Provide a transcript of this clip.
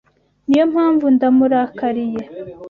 Niyo mpamvu ndamurakariye.